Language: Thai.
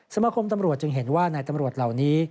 สมาคมตำรวจจึงเห็นว่านายตำรวจเหล่านี้